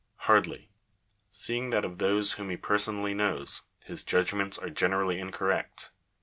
Hardly : seeing that of those whom he personally knows, his judgments are generally incorrect.